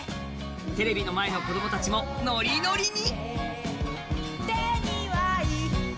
テレビの前の子供たちもノリノリに。